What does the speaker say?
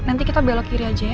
nanti kita belok kiri aja ya